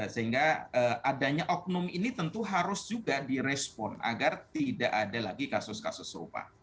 sehingga adanya oknum ini tentu harus juga direspon agar tidak ada lagi kasus kasus serupa